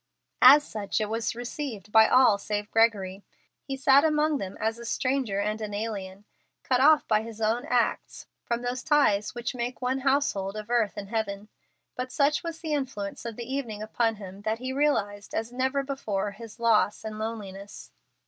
As such it was received by all save Gregory. He sat among them as a stranger and an alien, cut off by his own acts from those ties which make one household of earth and heaven. But such was the influence of the evening upon him that he realized as never before his loss and loneliness.